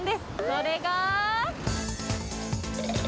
それが。